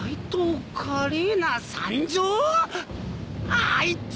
あいつ！